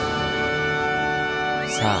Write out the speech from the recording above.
さあ